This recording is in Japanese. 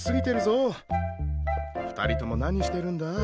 ２人とも何してるんだ？